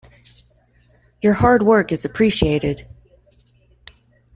Your hard work is appreciated.